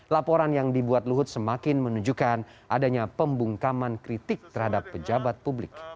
laporan yang dibuat luhut semakin menunjukkan adanya pembungkaman kritik terhadap pejabat publik